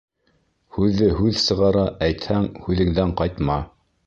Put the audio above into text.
Һүҙҙе һүҙ сығара, әйтһәң, һүҙеңдән ҡайтма.